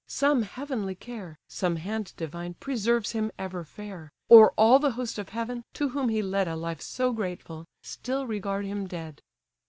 Some heavenly care, Some hand divine, preserves him ever fair: Or all the host of heaven, to whom he led A life so grateful, still regard him dead."